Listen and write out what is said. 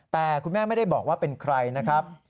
แต่คุณแม่ไม่ได้บอกว่าเป็นใครนะครับ